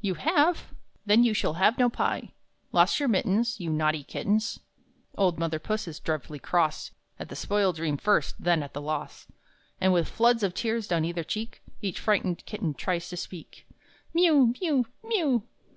"You have? Then you shall have no pie! Lost your mittens? You naughty kittens!" Old mother Puss is dreadfully cross, At the spoiled dream first, then at the loss; And with floods of tears down either cheek Each frightened kitten tries to speak: "Miew, miew, miew!